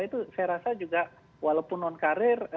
itu saya rasa juga walaupun non karir